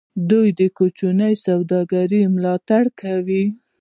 دوی د کوچنیو سوداګریو ملاتړ کوي.